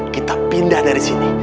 kita pindah dari sini